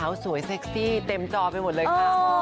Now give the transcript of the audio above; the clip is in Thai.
เขาสวยเซ็กซี่เต็มจอไปหมดเลยค่ะ